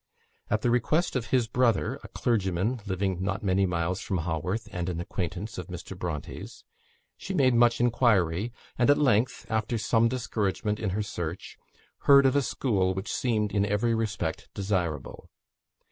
At the request of his brother a clergyman, living not many miles from Haworth, and an acquaintance of Mr. Bronte's she made much inquiry, and at length, after some discouragement in her search, heard of a school which seemed in every respect desirable.